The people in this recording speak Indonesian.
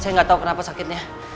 saya nggak tahu kenapa sakitnya